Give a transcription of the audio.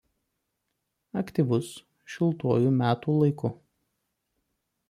Aktyvus šiltuoju metu laiku.